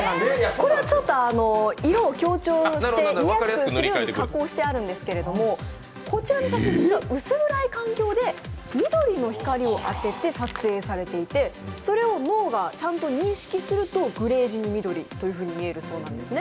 これは色を強調して見やすく加工してあるんですけどこちらの写真、実は薄暗い環境で緑の光を当てて撮影されていて、それを脳がちゃんと認識するとグレー地に緑に見えるそうなんですね。